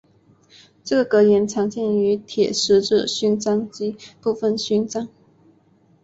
这个格言常见于铁十字勋章及部分勋章。